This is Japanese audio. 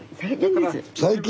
最近？